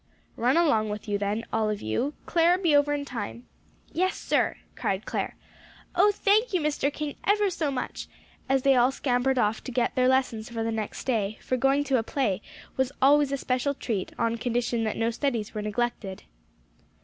"Run along with you then, all of you. Clare, be over in time." "Yes, sir," cried Clare. "Oh, thank you, Mr. King, ever so much!" as they all scampered off to get their lessons for the next day; for going to a play was always a special treat, on condition that no studies were neglected.